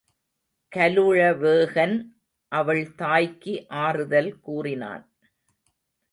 கலுழவேகன் அவள் தாய்க்கு ஆறுதல் கூறினான்.